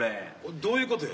どういうことや？